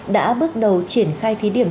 đã bước đầu triển khai thí điểm